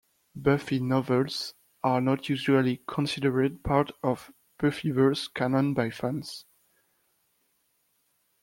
Buffy novels are not usually considered part of Buffyverse canon by fans.